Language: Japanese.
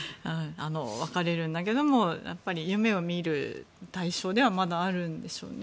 別れるんだけれども夢を見る対象ではまだあるんでしょうね。